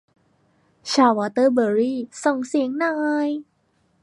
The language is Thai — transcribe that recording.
ชาววอเตอร์เบอรี่ ส่งเสียงหน่อย